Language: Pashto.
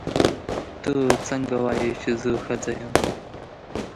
ته څنګه وایې چې زه ښځه یم.